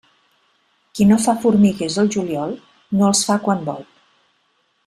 Qui no fa formiguers el juliol, no els fa quan vol.